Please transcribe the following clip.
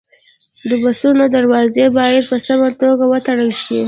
د بسونو دروازې باید په سمه توګه وتړل شي.